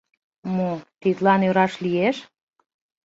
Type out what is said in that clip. «Мо, тидлан ӧраш лиеш?